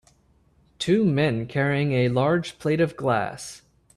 Two men carrying a large plate of glass.